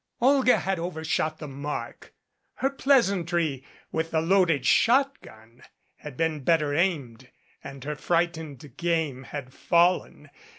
Olga had overshot the mark. Her pleasantry with the loaded shotgun had been better aimed and her frightened game had fallen.